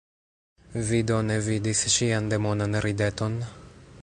Vi do ne vidis ŝian demonan rideton?